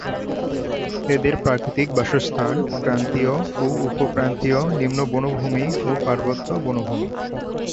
এদের প্রাকৃতিক বাসস্থান ক্রান্তীয় ও উপক্রান্তীয় নিম্ন বনভূমি ও পার্বত্য বনভূমি।